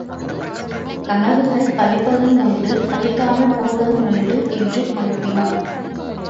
கனவுகள் பலிப்பதும் உண்டு பலிக்காமல் போவதும் உண்டு என்று மழுப்பினான்.